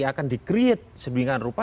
akan di create sebegian rupa